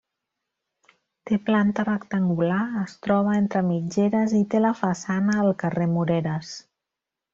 Té planta rectangular, es troba entre mitgeres i té la façana al carrer Moreres.